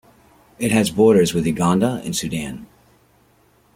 It has borders with the Uganda and Sudan.